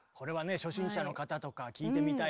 初心者の方とか聞いてみたい。